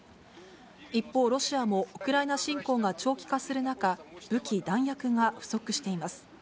一方、ロシアもウクライナ侵攻が長期化する中、武器、弾薬が不足しています。